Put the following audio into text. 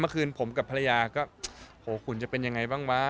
เมื่อคืนผมกับภรรยาก็โหขุนจะเป็นยังไงบ้างวะ